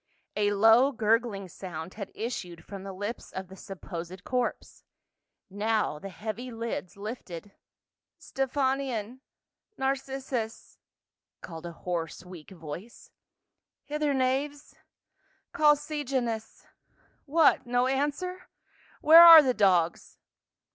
A low gurgling sound had issued from the lips of the supposed corpse, now the heavy lids lifted. " Ste phanion — Narcissus —" called a hoarse weak voice, " hither knaves ! Call Sejanus — What, no answer, where are the dogs?"